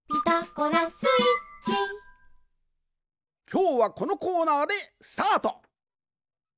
きょうはこのコーナーでスタート！